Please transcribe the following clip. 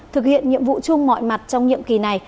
thực hiện nhiệm vụ chung mọi mặt trong nhiệm kỳ này